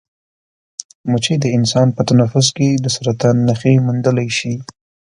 مچۍ د انسان په تنفس کې د سرطان نښې موندلی شي.